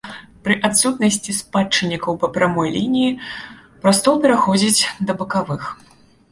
Пры адсутнасці спадчыннікаў па прамой лініі, прастол пераходзіць да бакавых.